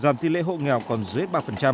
giảm tỷ lệ hộ nghèo còn dưới ba